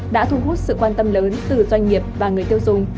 đã thu hút sự quan tâm lớn từ doanh nghiệp và người tiêu dùng